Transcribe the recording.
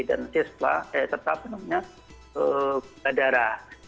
dan cispa eh tetap namanya ke darah